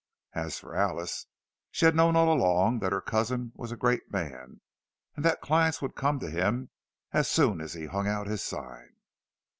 As for Alice, she had known all along that her cousin was a great man, and that clients would come to him as soon as he hung out his sign.